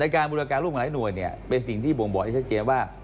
ในการบุรการร่วมกันหลายหน่วยเนี่ยเป็นสิ่งที่ผมบอกได้ชัดเจนว่า